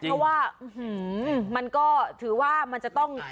เพราะว่ามันก็ถือว่ามันจะต้อง